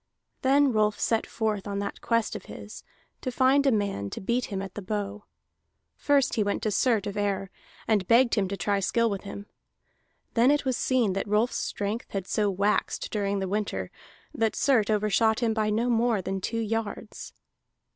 Then Rolf set forth on that quest of his, to find a man to beat him at the bow. First he went to Surt of Ere, and begged him to try skill with him. Then it was seen that Rolf's strength had so waxed during the winter, that Surt overshot him by no more than two yards.